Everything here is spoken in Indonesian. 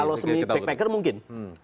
kalau semi backpacker mungkin